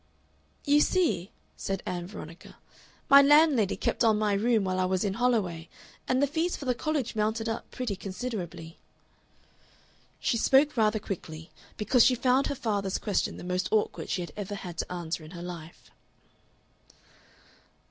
"You see," said Ann Veronica, "my landlady kept on my room while I was in Holloway, and the fees for the College mounted up pretty considerably." She spoke rather quickly, because she found her father's question the most awkward she had ever had to answer in her life.